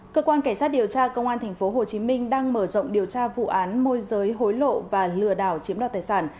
cơ quan cảnh sát điều tra công an tp hcm đang mở rộng điều tra vụ án môi giới hối lộ và lừa đảo chiếm đoạt tài sản